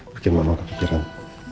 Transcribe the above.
bikin mama kepikiran